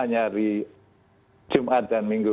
hanya hari jumat dan minggu